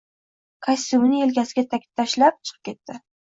Kostyumini elkasiga taglab, chiqib ketdi